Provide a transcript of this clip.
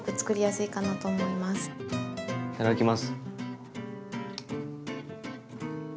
いただきます。